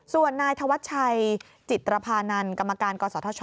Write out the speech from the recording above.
ส่วนนายธวัชชัยจิตรภานันกรรมการกศธช